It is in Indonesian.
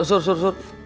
sur sur sur